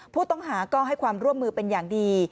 ผู้ต้องหาก็ให้ความร่วมมือเป็นอย่างดี